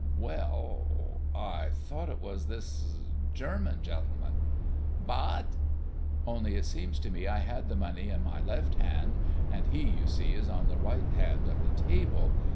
"Well, I thought it was this German gentleman." "Vat!" "Only it seems to me I had the money in my left hand, and he, you see, is on the right hand of the table.